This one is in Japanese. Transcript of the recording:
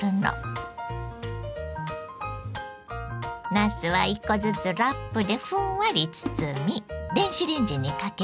なすは１個ずつラップでふんわり包み電子レンジにかけます。